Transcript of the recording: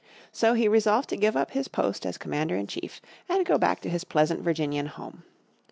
So he resolved to give up his post as commander in chief, and go back to his pleasant Virginian home.